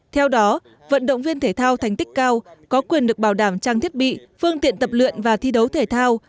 theo đó vận động viên thể thao thành tích cao có quyền được bảo đảm trang thiết bị phương tiện tập luyện và thi đấu thể thao